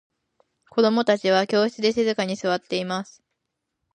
子供達は教室で静かに座っています。